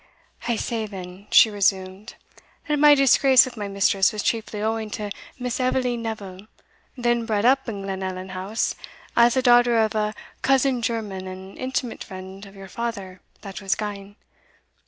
"I say, then," she resumed, "that my disgrace with my mistress was chiefly owing to Miss Eveline Neville, then bred up in Glenallan House as the daughter of a cousin german and intimate friend of your father that was gane.